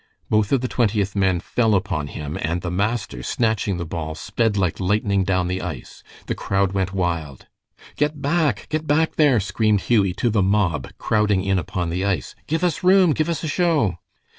Both of the Twentieth men fell upon him, and the master, snatching the ball, sped like lightning down the ice. The crowd went wild. "Get back! Get back there!" screamed Hughie to the mob crowding in upon the ice. "Give us room! Give us a show!"